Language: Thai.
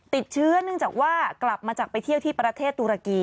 ติดเชื้อเนื่องจากว่ากลับมาจากไปเที่ยวที่ประเทศตุรกี